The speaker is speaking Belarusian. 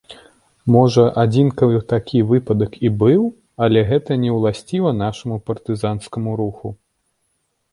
Можа, адзінкавы такі выпадак і быў, але гэта неўласціва нашаму партызанскаму руху.